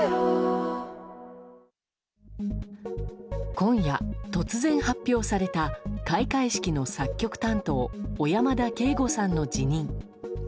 今夜、突然発表された開会式の作曲担当小山田圭吾さんの辞任。